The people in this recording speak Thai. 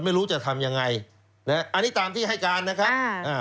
ไม่รู้จะทำยังไงนะฮะอันนี้ตามที่ให้การนะครับอ่า